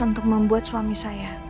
untuk membuat suami saya